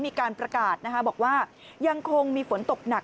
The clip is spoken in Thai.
มีการประกาศบอกว่ายังคงมีฝนตกหนัก